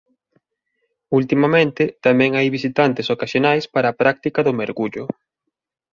Ultimamente tamén hai visitantes ocasionais para a práctica do mergullo.